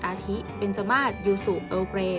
อาทิเบนเจอร์มาสยูสุเออร์เบร์